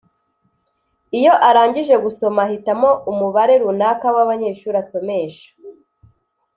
Iyo arangije gusoma ahitamo umubare runaka w’abanyeshuri asomesha